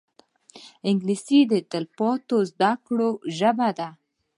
انګلیسي د تلپاتې زده کړو ژبه ده